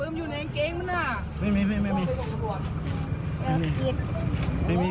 มึงอย่ามัวข้อมันอีก